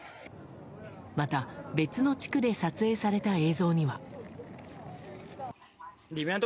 また、別の地区で撮影された映像には。